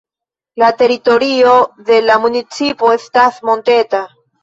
La teritorio de la municipo estas monteta.